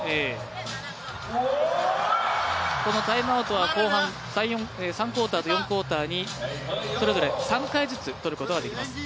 このタイムアウトは後半３クオーターと４クオーターに、それぞれ３回ずつとることができます。